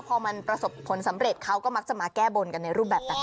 พอมันประสบผลสำเร็จเขาก็มักจะมาแก้บนกันในรูปแบบต่าง